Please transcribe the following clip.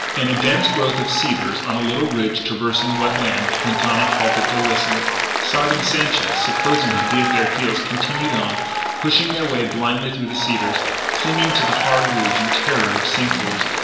In a dense growth of cedars, on a little ridge traversing wet land, Quintana halted to listen. Sard and Sanchez, supposing him to be at their heels, continued on, pushing their way blindly through the cedars, clinging to the hard ridge in terror of sink holes.